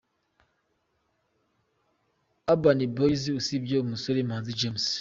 Urban Boyz: usibye umusore Manzi James a.